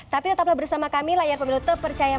tetap bersama kami layar pemilu terpercaya